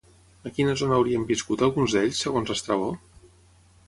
A quina zona haurien viscut alguns d'ells, segons Estrabó?